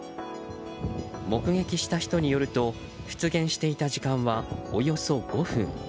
目撃した人によると出現していた時間はおよそ５分。